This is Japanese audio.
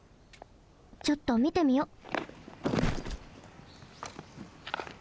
ちょっとみてみよっ。